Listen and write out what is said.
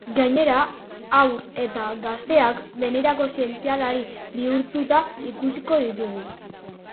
Gainera, haur eta gazteak benetako zientzialari bihurtuta ikusiko ditugu.